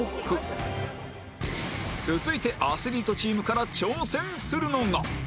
続いてアスリートチームから挑戦するのが